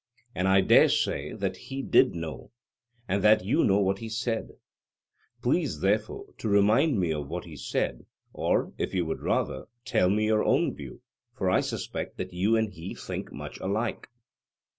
And I dare say that he did know, and that you know what he said: please, therefore, to remind me of what he said; or, if you would rather, tell me your own view; for I suspect that you and he think much alike.